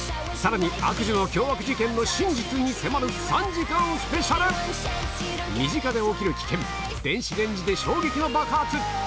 さらに悪女の凶悪事件の真実に迫る３時間スペシャル身近で起きる危険電子レンジで衝撃の爆発！